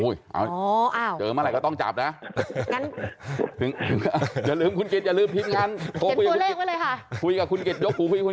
อย่าลืมคุณกิจอย่าลืมพิมพ์กรรม